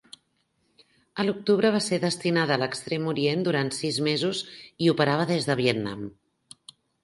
A l'octubre va ser destinada a l'Extrem Orient durant sis mesos i operava des de Vietnam.